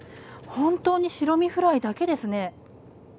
本当に白身フライだけですね。